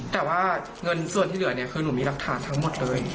แต่ว่าเงินส่วนที่เหลือเนี่ยคือหนูมีหลักฐานทั้งหมดเลย